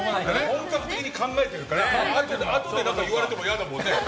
本格的に考えてるからあとで言われても嫌だもんね。